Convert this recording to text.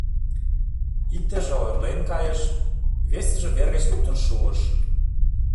Иктыже ойырлен кайыш, весыже вер гыч луктын шуыш.